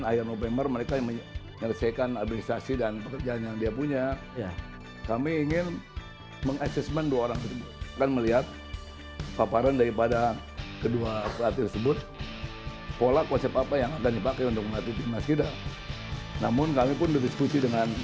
hingga membuat jerman gigit jari dengan kemenangan dua pada babak kualifikasi